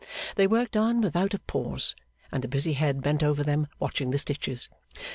They worked on without pause, and the busy head bent over them watching the stitches.